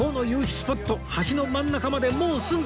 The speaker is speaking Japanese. スポット橋の真ん中までもうすぐ！